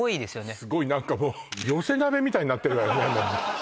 すごい何かもう寄せ鍋みたいになってるわよね